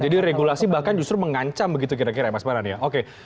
jadi regulasi bahkan justru mengancam begitu kira kira ya mas manan ya oke